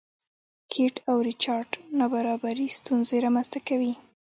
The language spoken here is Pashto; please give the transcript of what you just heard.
کیټ او ریچارډ نابرابري ستونزې رامنځته کوي.